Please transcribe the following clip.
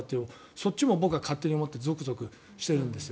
そっちも僕は勝手に思っていてゾクゾクしているんです。